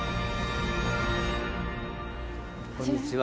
こんにちは。